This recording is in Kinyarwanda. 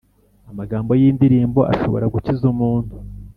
amagambo yindirimbo ashobora gukiza umuntu